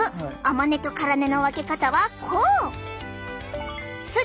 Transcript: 甘根と辛根の分け方はこう！